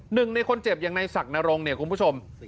หนึ่งในคนเจ็บอย่างในศักดรงค์เนี่ยคุณผู้ชม